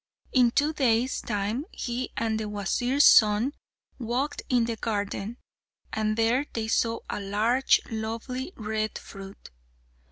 In two days' time he and the Wazir's son walked in the garden, and there they saw a large, lovely red fruit.